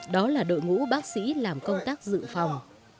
đó là đội ngũ bác sĩ làm công tác dự phòng